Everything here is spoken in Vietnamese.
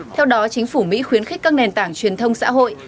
theo đó chính phủ mỹ khuyến khích các nền tảng truyền thông xã hội